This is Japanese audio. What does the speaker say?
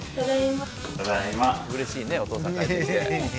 うれしいねお父さん帰ってきて。